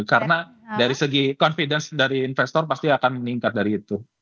karena dari segi confidence dari investor pasti akan meningkat dari itu